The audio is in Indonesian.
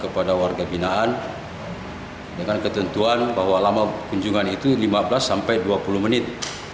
kepada warga binaan dengan ketentuan bahwa lama kunjungan itu lima belas sampai dua puluh menit